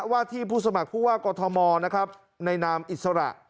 ที่ผู้สมัครผู้ว่ากอทมนะครับในนามอิสระ